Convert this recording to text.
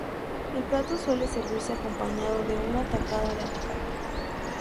El plato suele servirse acompañado de una tajada de aguacate.